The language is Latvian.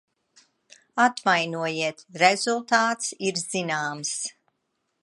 Atvainojiet, rezultāts ir zināms.